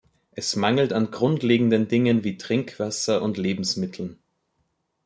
Es mangelt an grundlegenden Dingen wie Trinkwasser und Lebensmitteln.